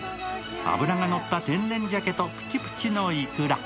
脂がのった天然シャケとプチプチのいくら。